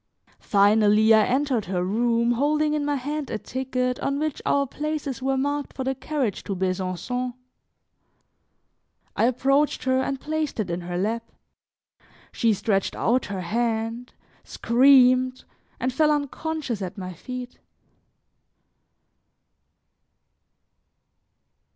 Finally, I entered her room holding in my hand a ticket on which our places were marked for the carriage to Besancon. I approached her and placed it in her lap; she stretched out her hand, screamed and fell unconscious at my feet.